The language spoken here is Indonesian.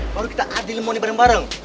baru kita adil moni bareng bareng